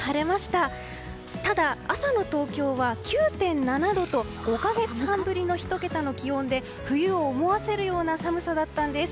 ただ、朝の東京は９．７度と５か月半ぶりの１桁の気温で冬を思わせるような寒さだったんです。